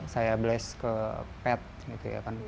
saya bless ke ped gitu ya kan